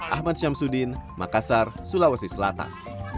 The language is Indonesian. ahmad syamsuddin makassar sulawesi selatan